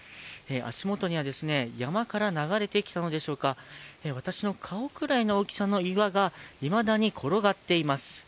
足元には山から流れてきたのでしょうか、私の顔くらいの大きさの岩がいまだに転がっています。